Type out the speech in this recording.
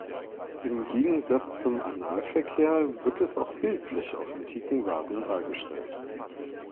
Im Gegensatz zum Analverkehr wird es auch bildlich auf antiken Vasen dargestellt.